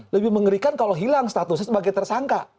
lebih mengerikan kalau hilang statusnya sebagai tersangka